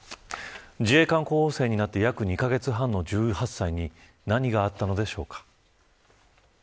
自衛官候補生になって約２カ月半の１８歳に何があったのでしょうか。